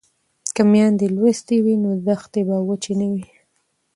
که میندې لوستې وي نو دښتې به وچې نه وي.